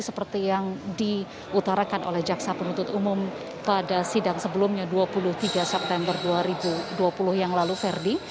seperti yang diutarakan oleh jaksa penuntut umum pada sidang sebelumnya dua puluh tiga september dua ribu dua puluh yang lalu verdi